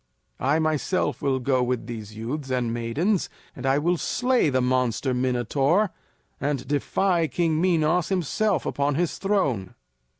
I myself will go with these youths and maidens, and I will slay the monster Minotaur, and defy King Minos himself upon his throne."